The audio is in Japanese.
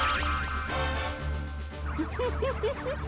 ウフフフフ。